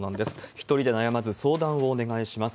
一人で悩まず、相談をお願いします。